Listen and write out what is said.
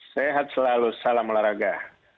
sehat selalu salam olahraga